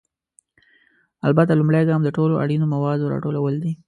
البته، لومړی ګام د ټولو اړینو موادو راټولول دي.